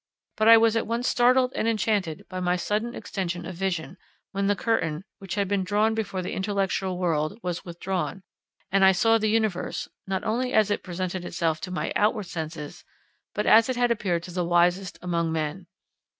But I was at once startled and enchanted by my sudden extension of vision, when the curtain, which had been drawn before the intellectual world, was withdrawn, and I saw the universe, not only as it presented itself to my outward senses, but as it had appeared to the wisest among men.